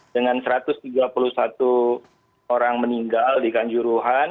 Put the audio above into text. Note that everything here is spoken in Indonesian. dengan satu ratus tiga puluh satu orang meninggal di kanjuruhan